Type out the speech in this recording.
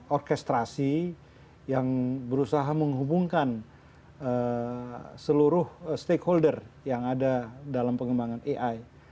orkestrasi yang berusaha menghubungkan seluruh stakeholder yang ada dalam pengembangan ai